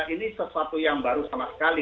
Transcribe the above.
ini sesuatu yang baru sama sekali